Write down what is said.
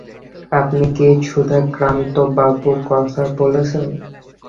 আপনি কি সুধাকান্তবাবুর কথা বলছেন?